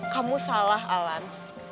kamu salah alam